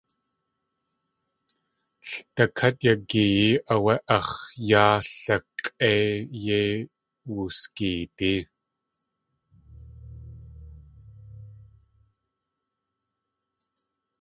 Ldakát yagiyee áwé ax̲ yáa lik̲ʼéi yéi wusgeedí.